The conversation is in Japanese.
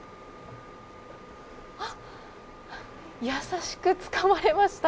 やさしくつかまれました。